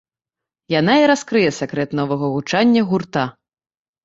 Яна і раскрые сакрэт новага гучання гурта.